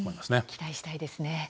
期待したいですね。